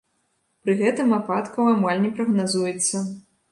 Пры гэтым ападкаў амаль не прагназуецца.